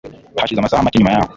Hashize amasaha make nyuma yaho